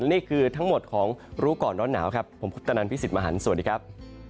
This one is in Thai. นี่คือทั้งหมดของรู้ก่อนร้อนหนาวครับผมพุทธนันพี่สิทธิ์มหันฯสวัสดีครับ